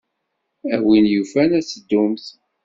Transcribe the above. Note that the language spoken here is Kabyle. A win yufan ad teddumt.